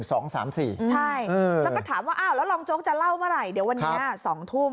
ใช่แล้วก็ถามว่าอ้าวแล้วรองโจ๊กจะเล่าเมื่อไหร่เดี๋ยววันนี้๒ทุ่ม